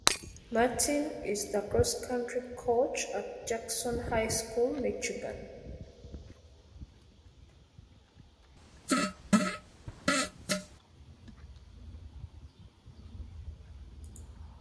Martin is the cross country coach at Jackson High School (Michigan).